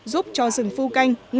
giúp cho rừng phu canh ngày càng sống